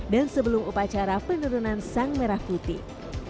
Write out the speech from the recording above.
dan sebelum upacara penurunan sang merah putih